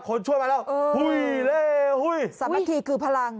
คนช่วยมาแล้วหุ้ยเล่หุ้ยสามัคคีคือพลัง